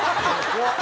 怖っ！